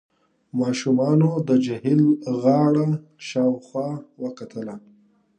ماشومانو د جهيل غاړه شاوخوا وکتله.